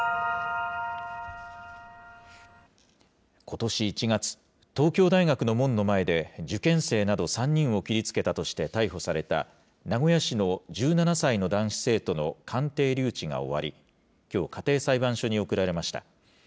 ことし１月、東京大学の門の前で、受験生など３人を切りつけたとして逮捕された、名古屋市の１７歳の男子生徒の鑑定留置が終わり、きょう、家庭裁判所に送られました。